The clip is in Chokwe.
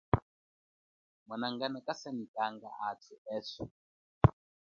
Mwanangana kasanyikanga athu eswe.